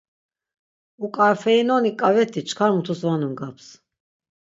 Uǩafeinoni ǩaveti çkar mutus va nungaps.